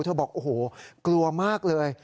บอกโอ้โหกลัวมากเลย